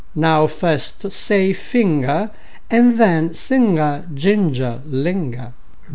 ) Now first say: finger, And then: singer, ginger, linger.